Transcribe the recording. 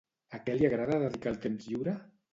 A què li agrada dedicar el temps lliure?